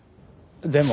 でも。